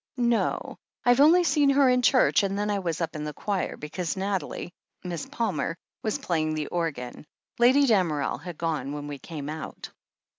"No. I've only seen her in church, and then I was up in the choir, because Nathalie — Miss Palmer — ^was playing the organ. Lady Damerel had gone when we came out."